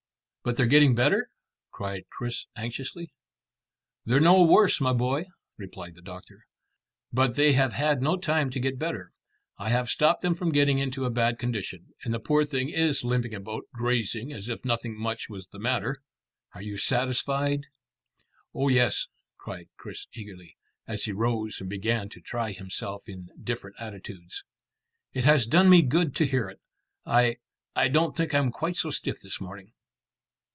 "But they're getting better?" cried Chris anxiously. "They're no worse, my boy," replied the doctor, "but they have had no time to get better. I have stopped them from getting into a bad condition, and the poor thing is limping about grazing as if nothing much was the matter. Are you satisfied?" "Oh yes," cried Chris eagerly, as he rose and began to try himself in different attitudes. "It has done me good to hear it. I I don't think I'm quite so stiff this morning."